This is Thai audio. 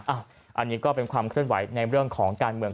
อันนี้ก็เป็นความเคลื่อนไหวในเรื่องของการเมือง